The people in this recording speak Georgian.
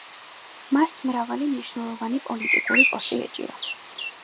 მას მრავალი მნიშვნელოვანი პოლიტიკური პოსტი ეჭირა.